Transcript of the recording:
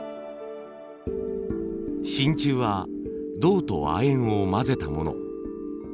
真鍮は銅と亜鉛を混ぜたもの。